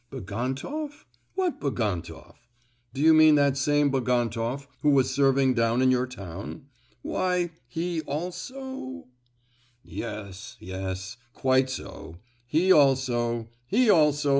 "Bagantoff? What Bagantoff? Do you mean that same Bagantoff who was serving down in your town? Why, he also——" "Yes, yes! quite so. He also, he also!"